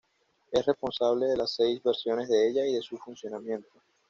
Es responsable de las seis versiones de ella y de su funcionamiento.